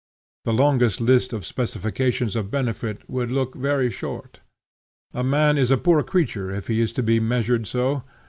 The longest list of specifications of benefit would look very short. A man is a poor creature if he is to be measured so.